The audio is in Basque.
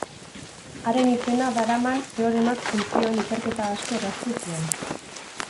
Haren izena daraman teoremak funtzioen ikerketa asko erraztu zuen.